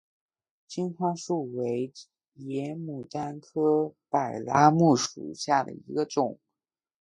金花树为野牡丹科柏拉木属下的一个种。